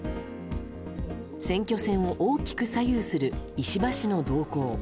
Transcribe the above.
選挙戦を大きく左右する石破氏の動向。